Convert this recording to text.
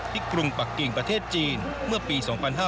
กรุงปักกิ่งประเทศจีนเมื่อปี๒๕๕๙